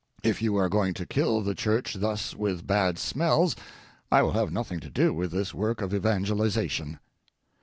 If you are going to kill the church thus with bad smells, I will have nothing to do with this work of evangelization.